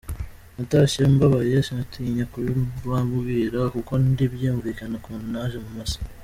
natashye mbabaye sinatinya kubibabwira kuko ntibyumvikana ukuntu naje muma saa.